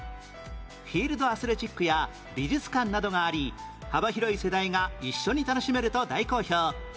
フィールドアスレチックや美術館などがあり幅広い世代が一緒に楽しめると大好評